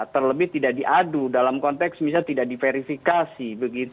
terlebih tidak diadu dalam konteks misalnya tidak diverifikasi